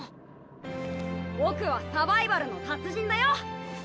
僕はサバイバルの達人だよ。任せて！